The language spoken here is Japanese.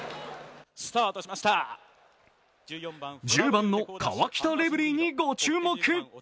１０番のカワキタレブリーにご注目。